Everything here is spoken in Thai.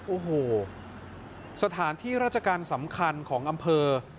โอ้โหสถานที่ราชการสำคัญของอำเภอ